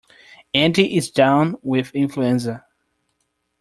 Andy is down with influenza.